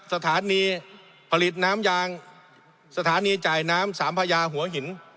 สถานีผลิตน้ำยางสถานีจ่ายน้ำสามพญาหัวหิน